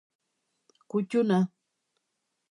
Kuttuna.